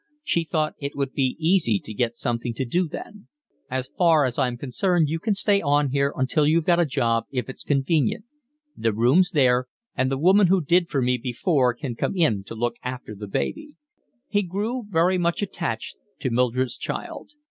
She thought it would be easy to get something to do then. "As far as I'm concerned you can stay on here when you've got a job if it's convenient. The room's there, and the woman who did for me before can come in to look after the baby." He grew very much attached to Mildred's child.